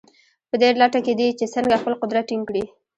په دې لټه کې دي چې څنګه خپل قدرت ټینګ کړي.